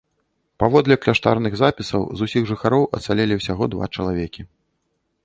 Паводле кляштарных запісаў, з усіх жыхароў ацалелі ўсяго два чалавекі.